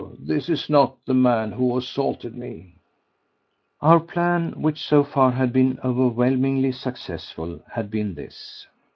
This is not the man who assaulted me." Our plan, which so far had been overwhelmingly successful, had been this.